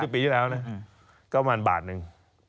ปีที่แล้วนะก็ประมาณบาทนึง